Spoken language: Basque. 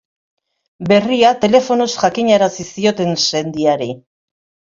Berria telefonoz jakinarazi zioten sendiari.